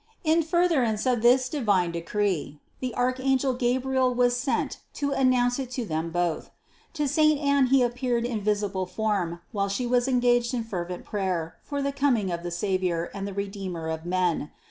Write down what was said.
In further ance of this divine decree the archangel Gabriel was sent to announce it to them both. To saint Anne he ap peared in visible form, while she was engaged in fervent prayer for the coming of the Savior and the Redeemer of men.